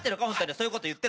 そういうこと言って。